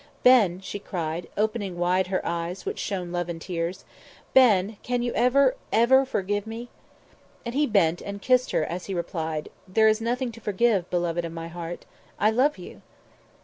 "Ben," she cried, opening wide her eyes in which shone love and tears, "Ben, can you ever ever forgive me?" And he bent and kissed her as he replied: "There is nothing to forgive, beloved of my heart I love you!"